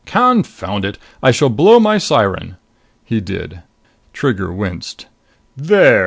"Confound it! I shall blow my siren." He did. Trigger winced. "There!"